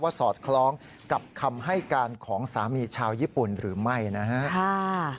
สอดคล้องกับคำให้การของสามีชาวญี่ปุ่นหรือไม่นะฮะ